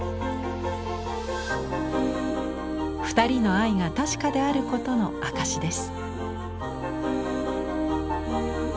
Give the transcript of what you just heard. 二人の愛が確かであることの証しです。